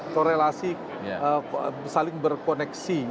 korelasi saling berkoneksi